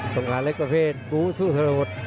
สงราเล็กประเภทบูธสู้ทะละบด